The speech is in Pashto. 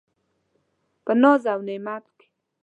په ناز او په نعمت کي و .